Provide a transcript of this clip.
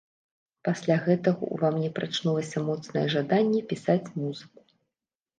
Пасля гэтага ўва мне прачнулася моцнае жаданне пісаць музыку.